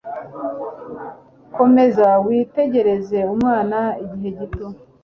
Komeza witegereze umwana igihe gito.